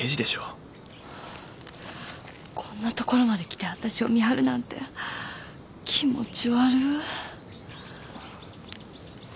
こんな所まで来てわたしを見張るなんて気持ち悪。